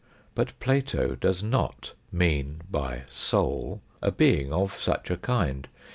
But Plato does not mean by " soul " a being of such a kind.